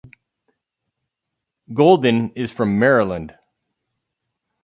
Golden is from Maryland.